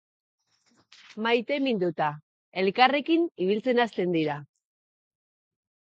Maiteminduta, elkarrekin ibiltzen hasten dira.